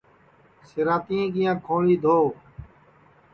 سِنٚراتِئے کِیاں کھوݪیں دھووَ